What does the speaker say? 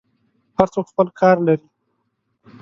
هر څوک خپل کار لري.